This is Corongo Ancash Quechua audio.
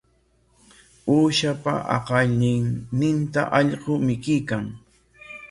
Uushapa aqallinninta allqu mikuykan.